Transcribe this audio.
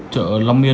chợ long biên